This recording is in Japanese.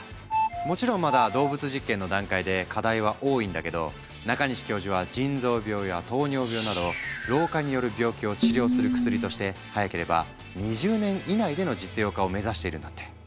もちろんまだ動物実験の段階で課題は多いんだけど中西教授は腎臓病や糖尿病など老化による病気を治療する薬として早ければ２０年以内での実用化を目指しているんだって。